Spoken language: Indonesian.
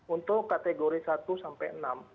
untuk kategori satu sampai enam